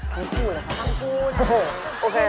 ทั้งคู่เลยค่ะทั้งคู่นะโอเค